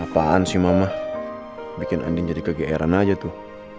apaan sih mama bikin andi jadi kegeeran aja tuh